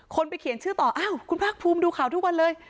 ไปเขียนชื่อต่ออ้าวคุณภาคภูมิดูข่าวทุกวันเลย